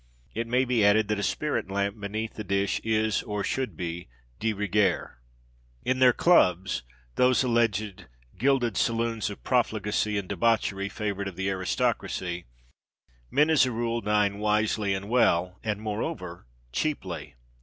It may be added that a spirit lamp beneath the dish is (or should be) de rigueur. In their clubs, those (alleged) "gilded saloons of profligacy and debauchery, favoured of the aristocracy," men, as a rule dine wisely, and well, and, moreover, cheaply.